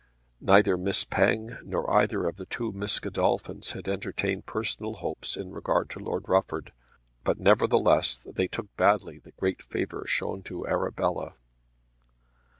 Neither Miss Penge nor either of the two Miss Godolphins had entertained personal hopes in regard to Lord Rufford, but nevertheless they took badly the great favour shown to Arabella.